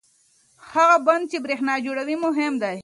هغه بند چې برېښنا جوړوي مهم دی.